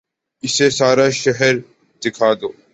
اسے سارا شہر دکھا دو